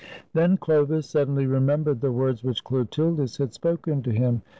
Then Chlovis suddenly remembered the words which Chlotildis had spoken to him.